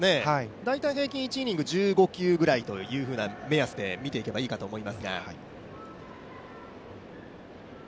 大体平均１イニング１５球ぐらいという目安で見ていけばいいと思いますが。